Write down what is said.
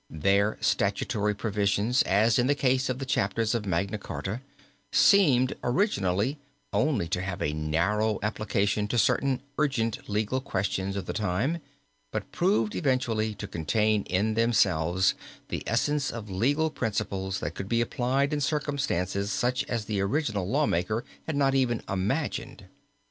Their statutory provisions, as in the case of the chapters of Magna Charta, seemed originally only to have a narrow application to certain urgent legal questions of the time, but proved eventually to contain in themselves the essence of legal principles that could be applied in circumstances such as the original law maker had not even imagined.